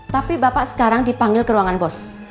tapi bapak sekarang dipanggil ke ruangan bos